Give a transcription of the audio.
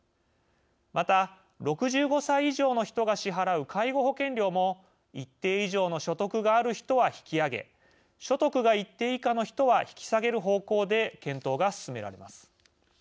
また、６５歳以上の人が支払う介護保険料も一定以上の所得がある人は引き上げ所得が一定以下の人は引き下げる方向で検討が進められます。